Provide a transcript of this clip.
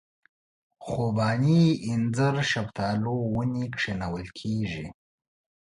خوبانۍ اینځر شفتالو ونې کښېنول کېږي.